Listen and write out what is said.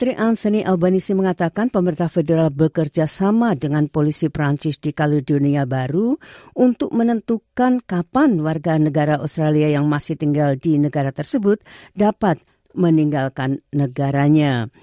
sri anthony elbanisi mengatakan pemerintah federal bekerja sama dengan polisi perancis di kalidonia baru untuk menentukan kapan warga negara australia yang masih tinggal di negara tersebut dapat meninggalkan negaranya